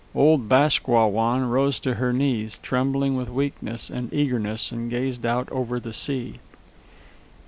Old Bask Wah Wan rose to her knees, trembling with weakness and eagerness, and gazed out over the sea.